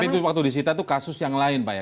tapi waktu disita itu kasus yang lain pak ya